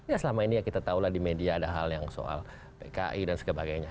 ya selama ini ya kita tahulah di media ada hal yang soal pki dan sebagainya